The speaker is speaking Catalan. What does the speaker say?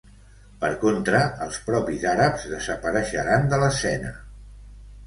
Per contra, els propis àrabs desapareixeran de l'escena.